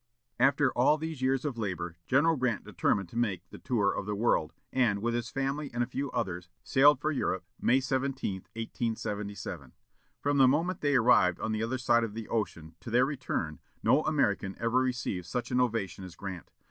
After all these years of labor, General Grant determined to make the tour of the world, and, with his family and a few others, sailed for Europe, May 17, 1877. From the moment they arrived on the other side of the ocean to their return, no American ever received such an ovation as Grant.